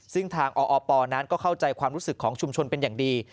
ซึ่งทางออปนั้นก็เข้าใจความรู้สึกของชุมชนเป็นอย่างดี